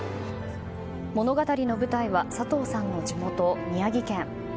物語の舞台は佐藤さんの地元宮城県。